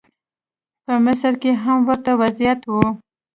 په مصر کې هم ورته وضعیت و.